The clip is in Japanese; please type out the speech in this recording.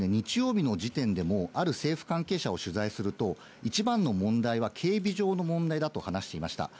２日前の日曜日の時点でもある政府関係者を取材すると、一番の問題は警備上の問題だと話していました。